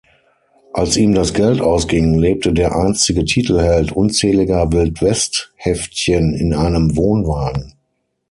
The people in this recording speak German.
Als ihm das Geld ausging, lebte der einstige Titelheld unzähliger Wildwest-Heftchen in einem Wohnwagen.